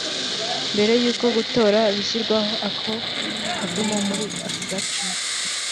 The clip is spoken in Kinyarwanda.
Mbere y’uko gutora bishyirwaho akadomo muri ako gace